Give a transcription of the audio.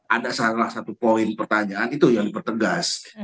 ada salah satu poin pertanyaan itu yang dipertegas